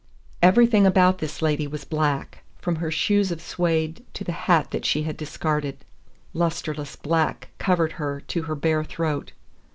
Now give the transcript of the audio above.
Everything about this lady was black, from her shoes of suède to the hat that she had discarded; lusterless black covered her to her bare throat.